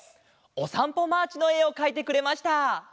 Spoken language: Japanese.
「おさんぽマーチ」のえをかいてくれました。